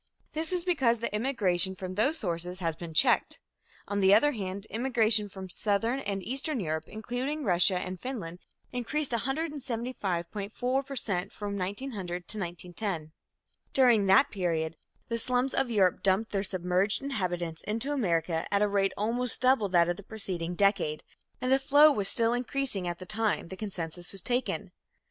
This is because the immigration from those sources has been checked. On the other hand, immigration from Southern and Eastern Europe, including Russia and Finland, increased 175.4 per cent from 1900 to 1910. During that period, the slums of Europe dumped their submerged inhabitants into America at a rate almost double that of the preceding decade, and the flow was still increasing at the time the census was taken.